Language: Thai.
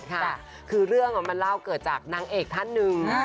มันเล่าเกิดจากนางเอกท่านหนึ่ง